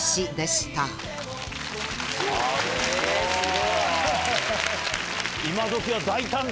すごい。